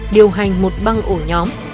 điều hành một băng ổ nhóm